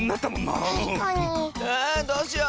あどうしよう！